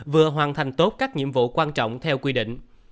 vừa hoàn thành tốt các nhiệm vụ quan trọng theo quy định